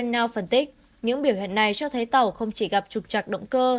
nào phân tích những biểu hiện này cho thấy tàu không chỉ gặp trục chặt động cơ